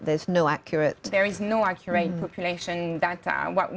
tidak ada data populasi yang tepat